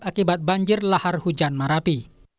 akibat banjir lahar hujan marapi